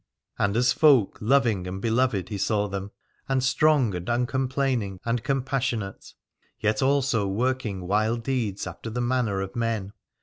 And as folk loving and beloved he saw them, and strong and uncomplaining and com passionate, yet also working wild deeds, after the manner of men.